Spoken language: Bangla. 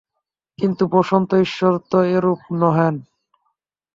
কিন্তু বস্তুত ঈশ্বর তো এরূপ নহেন।